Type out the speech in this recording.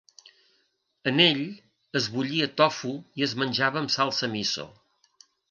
En ell, es bullia tofu i es menjava amb salsa miso.